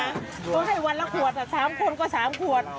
เพราะให้วันละขวดสามคนก็สามขวด